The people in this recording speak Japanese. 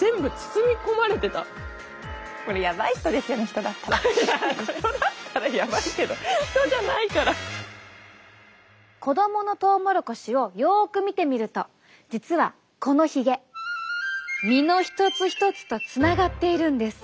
人だったらヤバいけど子供のトウモロコシをよく見てみると実はこのヒゲ実の一つ一つとつながっているんです。